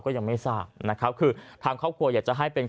ก็ยังไม่ทราบนะครับคือทางครอบครัวอยากจะให้เป็น